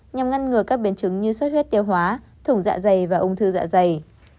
nhằm ngăn ngừa các biến chứng như sốt huyết tiêu hóa thủng dạ dày và ung thư dạ dày